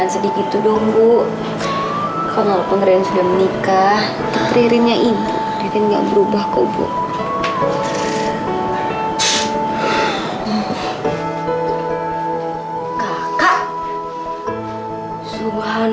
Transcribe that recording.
cinta yang kan menjagamu